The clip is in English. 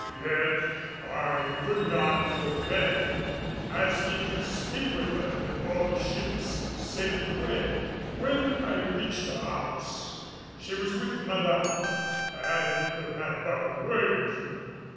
Yet I could not forbear asking to speak with her before the ships sailed away. When I reached the house she was with Madame and could have but a word with me.